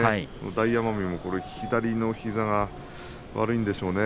大奄美も左の膝が悪いんでしょうね。